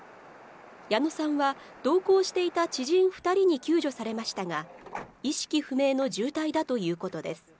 矢野さんは同行していた知人２人に救助されましたが、意識不明の重体だということです。